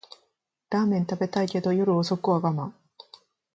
ラーメン食べたいけど夜遅くは我慢